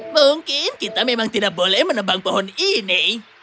mungkin kita memang tidak boleh menebang pohon ini